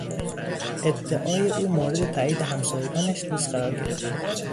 ادعای او مورد تایید همسایگانش نیز قرار گرفت.